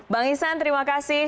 bang isan terima kasih